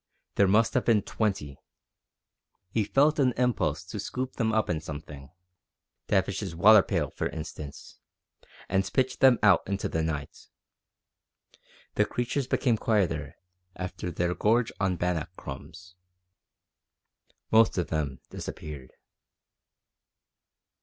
There must have been twenty. He felt an impulse to scoop them up in something, Tavish's water pail for instance, and pitch them out into the night. The creatures became quieter after their gorge on bannock crumbs. Most of them disappeared.